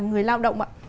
về lao động ạ